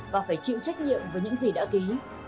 và phải chịu trách nhiệm với những gì đã ký